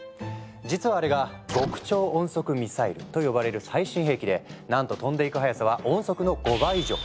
実はあれが極超音速ミサイルと呼ばれる最新兵器でなんと飛んでいく速さは音速の５倍以上。